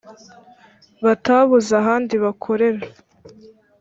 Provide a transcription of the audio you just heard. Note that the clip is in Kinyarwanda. Batabuze ahandi bakorera